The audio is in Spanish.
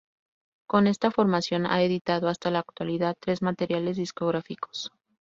Con esta formación ha editado hasta la actualidad tres materiales discográficos.